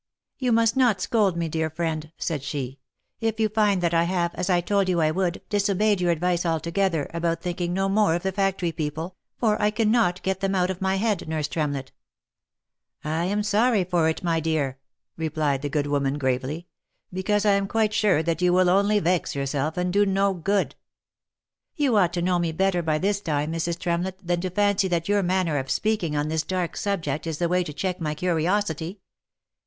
" You must not scold me, dear friend," said she, " if you find that I have, as I told you I would, disobeyed your advice altogether, about thinking no more of the factory people, for I cannot get them out of my head, nurse Tremlett." " I am sorry for it, my dear," replied the good woman, gravely ;" because I am quite sure that you will only vex yourself, and do no good." " You ought to know me better by this time, Mrs. Tremlett, than to fancy that your manner of speaking on this dark subject is the way to check my curiosity.